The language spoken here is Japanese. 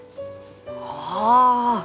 ああ！